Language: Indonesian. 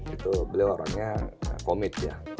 itu beliau orangnya komit ya